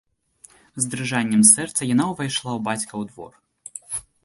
З дрыжаннем сэрца яна ўвайшла ў бацькаў двор.